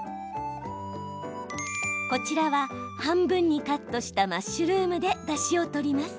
こちらは、半分にカットしたマッシュルームでだしを取ります。